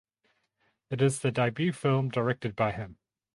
It is the debut film directed by him.